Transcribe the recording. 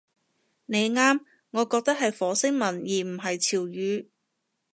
你啱，我覺得係火星文而唔係潮語